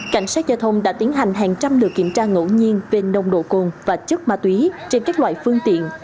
cảnh sát giao thông đã tiến hành hàng trăm lượt kiểm tra ngẫu nhiên về nồng độ cồn và chất ma túy trên các loại phương tiện